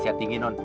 sehat tinggi non